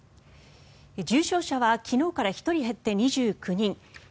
重症者は昨日から１人減って２９人。